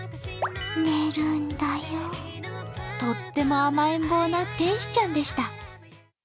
とっても甘えん坊な天使ちゃんでした。